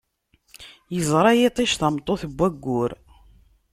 Yeẓra yiṭij tameṭṭut n waggur.